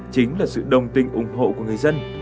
chính là sự đồng tình ủng hộ của người dân